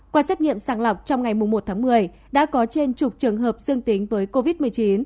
qua xét nghiệm sàng lọc trong ngày một tháng một mươi đã có trên chục trường hợp dương tính với covid một mươi chín